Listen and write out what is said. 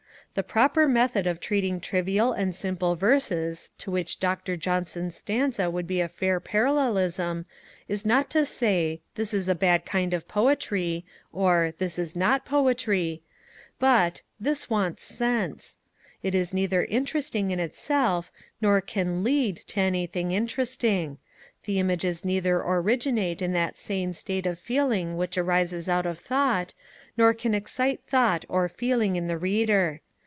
The proper method of treating trivial and simple verses, to which Dr. Johnson's stanza would be a fair parallelism, is not to say, this is a bad kind of poetry, or, this is not poetry; but, this wants sense; it is neither interesting in itself nor can lead to anything interesting; the images neither originate in that sane state of feeling which arises out of thought, nor can excite thought or feeling in the Reader.